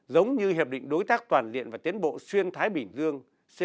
giống như hiệp định đối tác toàn diện và tiến bộ xuyên thái bình dương